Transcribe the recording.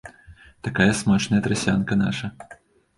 Такая смачная трасянка, наша!